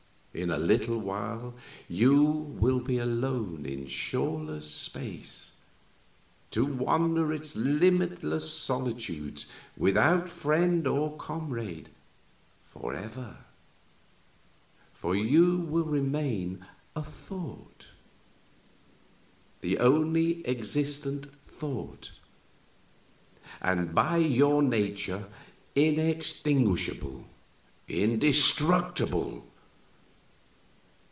In a little while you will be alone in shoreless space, to wander its limitless solitudes without friend or comrade forever for you will remain a thought, the only existent thought, and by your nature inextinguishable, indestructible.